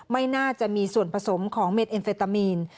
ไม่น่าจะมีส่วนผสมของเม็ดเอ็นเฟตามีน